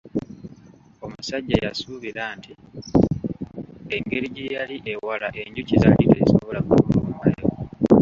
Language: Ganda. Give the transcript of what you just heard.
Omusajja yasuubira nti engeri gye yali ewala enjuki zaali tezisobola kumulumbayo.